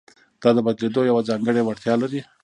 دا د بدلېدو یوه ځانګړې وړتیا لري.